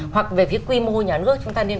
hoặc về quy mô nhà nước chúng ta nên